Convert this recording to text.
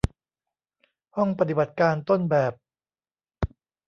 ห้องปฏิบัติการต้นแบบ